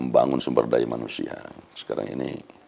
dan ternyata saya pun